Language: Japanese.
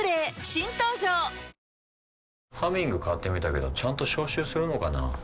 新登場「ハミング」買ってみたけどちゃんと消臭するのかな？